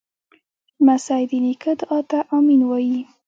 لمسی د نیکه دعا ته “امین” وایي.